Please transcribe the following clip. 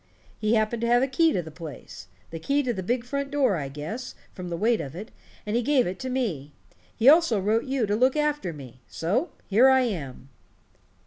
He happened to have a key to the place the key to the big front door, I guess, from the weight of it and he gave it to me. He also wrote you to look after me. So here I am."